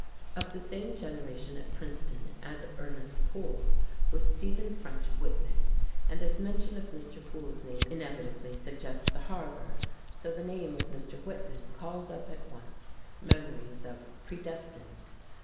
Of the same generation at Princeton as Ernest Poole was Stephen French Whitman, and as mention of Mr. Poole's name inevitably suggests "The Harbor," so the name of Mr. Whitman calls up at once memories of "Predestined."